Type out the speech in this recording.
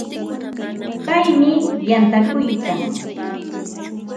Paymi yantakuykan.